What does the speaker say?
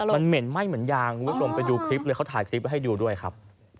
มันจะไหม้นะครับถ้าเป็นปลาหมึกมันไม่น่าจะไหม้ครับ